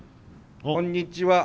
こんにちは。